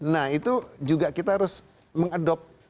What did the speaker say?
nah itu juga kita harus mengadopsi